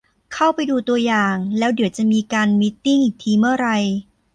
เข้าไปดูตัวอย่าง แล้วเดี๋ยวจะมีการมีตติ้งอีกทีเมื่อไร